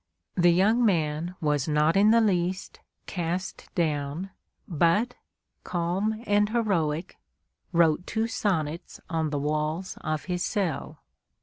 The young man was not in the least cast down, but, calm and heroic, wrote two sonnets on the walls of his cell.